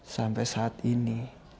sampai saat ini